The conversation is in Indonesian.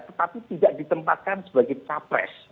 tetapi tidak ditempatkan sebagai capres